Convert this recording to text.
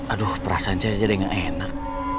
aduh perasaan saya jadi nggak enak